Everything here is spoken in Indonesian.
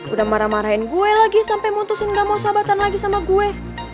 udah marah marahin gue lagi sampai mutusin gak mau sabatan lagi sama gue